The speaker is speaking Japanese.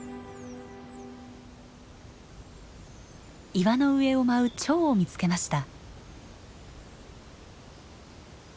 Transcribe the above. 岩の上を舞うチョウを見つけました。